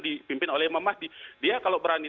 dipimpin oleh mamah dia kalau berani